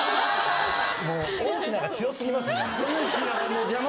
「大きな」が強過ぎますね。